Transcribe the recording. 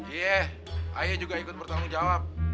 yeh ayah juga ikut bertanggung jawab